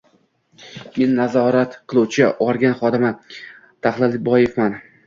Men nazorat qiluvchi organ xodimi Tahlilboevman